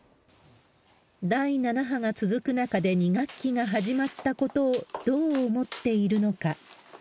第７波が続く中で２学期が始まったことをどう思っているのか。